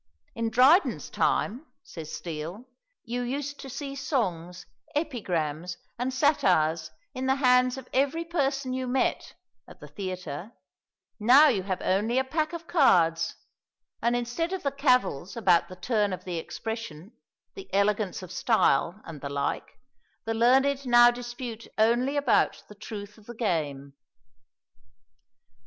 "In Dryden's time," says Steele, "You used to see songs, epigrams, and satires in the hands of every person you met [at the theatre]; now you have only a pack of cards, and instead of the cavils about the turn of the expression, the elegance of style and the like, the learned now dispute only about the truth of the game."